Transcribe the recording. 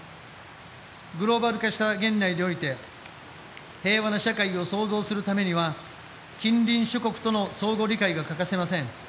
グローバル化した現代において平和な社会を創造するためには近隣諸国との相互理解が欠かせません。